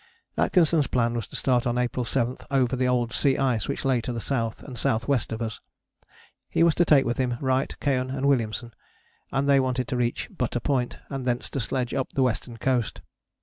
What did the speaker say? Atkinson's plan was to start on April 7 over the old sea ice which lay to the south and south west of us: he was to take with him Wright, Keohane and Williamson, and they wanted to reach Butter Point, and thence to sledge up the western coast.